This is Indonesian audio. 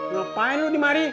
ngapain lu ini mari